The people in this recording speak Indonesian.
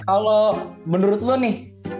kalau menurut lo nih